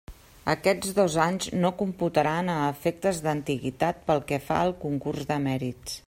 Aquests dos anys no computaran a efectes d'antiguitat pel que fa al concurs de mèrits.